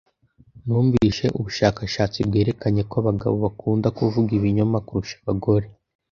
Numvise ubushakashatsi bwerekanye ko abagabo bakunda kuvuga ibinyoma kurusha abagore.